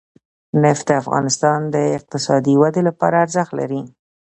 نفت د افغانستان د اقتصادي ودې لپاره ارزښت لري.